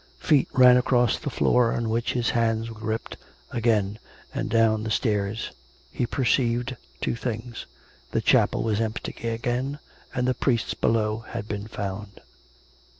Feet ran across the floor on which his hands were gripped again, and down the stairs. He perceived two things: the chai^el was empty again, and the priests below had been found.